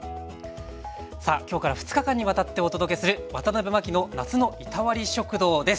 さあ今日から２日間にわたってお届けする「ワタナベマキの夏のいたわり食堂」です。